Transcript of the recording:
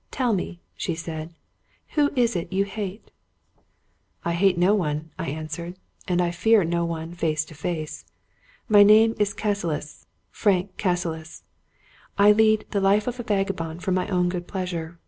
Tell me," she said, " who is it you hate? " "I hate no one," I answered; "and I fear no one face to face. My name is Cassilis — Frank Cassilis. I lead the life of a vagabond for my own good pleasure.